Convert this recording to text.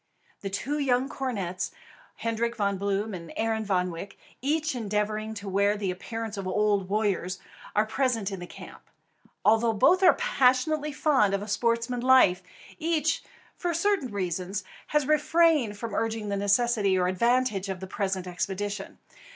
The two young cornets, Hendrik Von Bloom and Arend Van Wyk, each endeavouring to wear the appearance of old warriors, are present in the camp. Although both are passionately fond of a sportsman's life, each, for certain reasons, had refrained from urging the necessity or advantage of the present expedition.